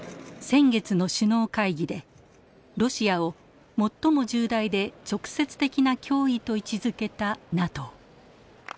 先月の首脳会議でロシアを「最も重大で直接的な脅威」と位置づけたＮＡＴＯ。